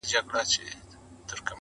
o دښمن مړ که، مړانه ئې مه ورکوه.